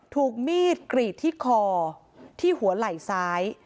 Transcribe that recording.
ถูกมีดกรีดที่คอที่หัวไหล่ซ้าย